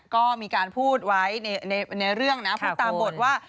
ก็มีการพูดไว้ในเรื่องนะพูดตามบทว่า